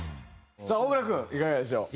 さあ大倉君いかがでしょう。